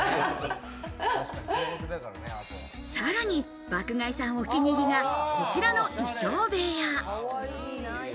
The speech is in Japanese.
さらに爆買いさん、お気に入りがこちらの衣裳部屋。